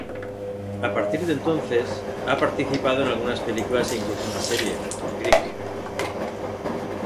A partir de entonces, ha participado en algunas películas e incluso una serie, Greek.